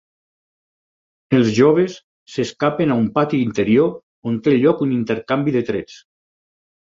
Els joves s'escapen a un pati interior on té lloc un intercanvi de trets.